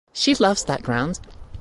She loves that ground.